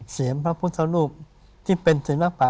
พระพุทธรูปที่เป็นศิลปะ